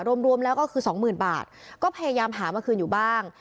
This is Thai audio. รวมรวมแล้วก็คือสองหมื่นบาทก็พยายามหามาคืนอยู่บ้าง